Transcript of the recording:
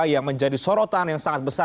yang menjadi sorotan yang sangat besar